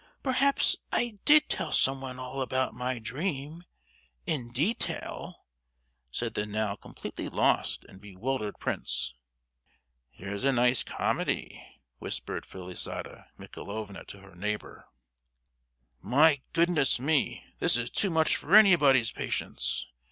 Perhaps I did tell someone all about my dream, in detail," said the now completely lost and bewildered prince. "Here's a nice comedy!" whispered Felisata Michaelovna to her neighbour. "My goodness me! this is too much for anybody's patience!"